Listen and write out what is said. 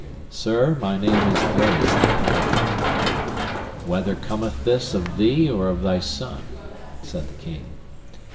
Sir, my name is Aries the cowherd. Whether cometh this of thee or of thy son? said the king.